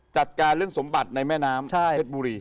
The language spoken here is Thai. จัดการเรื่องสมบัติในแม่น้ำเพชรบุรี